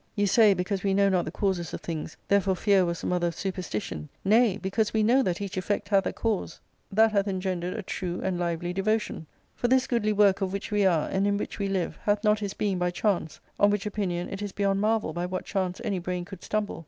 You say, because we know not the causes of things, therefore fear was, the mother of superstition : nay, because we know that each effect hath a cause, that hath )f 282 ARCADIA.' Book III. engendered a true and lively devotion. For this goodly work of which we are, and in which we live, hath not his being by chance ; on which opinioait is beyond marvel by what chance any brain could stumble.